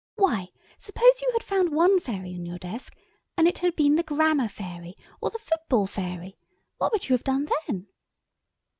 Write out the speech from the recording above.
Why suppose you had found one fairy in your desk, and it had been the Grammar Fairy, or the Football Fairy—what would you have done then?"